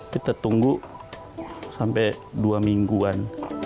kita tunggu sampai dua mingguan